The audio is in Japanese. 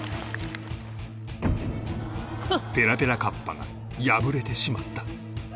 ペラペラカッパが破れてしまった